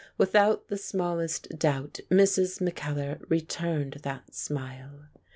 With out the smallest doubt, Mrs. Mackellar returned that smile.